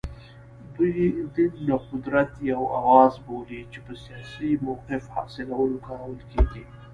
دوی دین د قدرت یو اوزار بولي چې په سیاسي موقف حاصلولو کارول کېږي